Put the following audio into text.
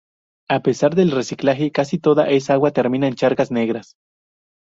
A pesar del reciclaje, casi toda esa agua termina en charcas negras.